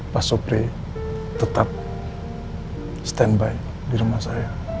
pak supri tetap stand by di rumah saya